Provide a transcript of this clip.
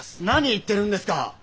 何言ってるんですか？